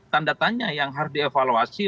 tanda tanya yang harus dievaluasi